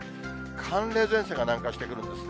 寒冷前線が南下してくるんですね。